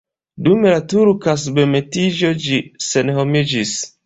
Dum la turka submetiĝo ĝi senhomiĝis.